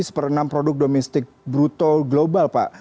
seperempat enam produk domestik brutal global pak